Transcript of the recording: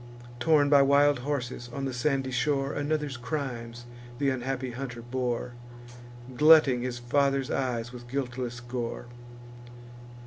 Torn by wild horses on the sandy shore, Another's crimes th' unhappy hunter bore, Glutting his father's eyes with guiltless gore.